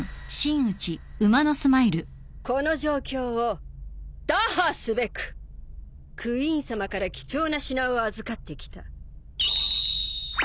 この状況を打破すべくクイーンさまから貴重な品を預かってきた。